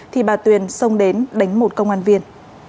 thì bà tuyền xông đến đánh một công an viên